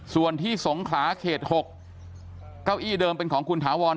ส่วนที่สงขลาเขต๖เก้าอี้เดิมเป็นของคุณถาวร